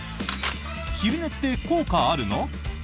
昼寝って効果あるの？